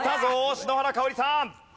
篠原かをりさん。